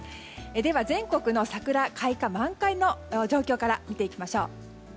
では全国の桜開花、満開の状況から見ていきましょうか。